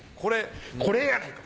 これやないか。